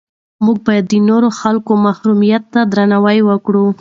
موږ باید د نورو خلکو محرمیت ته درناوی وکړو.